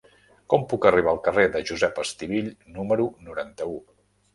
Com puc arribar al carrer de Josep Estivill número noranta-u?